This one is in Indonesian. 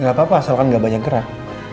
ga apa apa asalkan ga banyak gerak